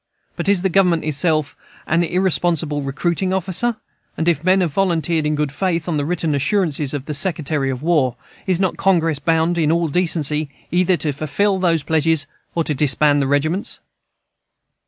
But is the Government itself an irresponsible recruiting officer? and if men have volunteered in good faith on the written assurances of the Secretary of War, is not Congress bound, in all decency, either to fulfill those pledges or to disband the regiments?